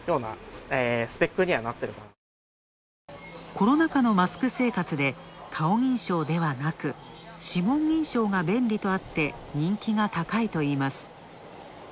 コロナ禍のマスク生活で顔認証ではなく、指紋認証が便利とあって人気が高いといいます。